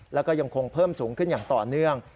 แล้วก็ยังคงเพิ่มสูงขึ้นอย่างต่อเนื่อง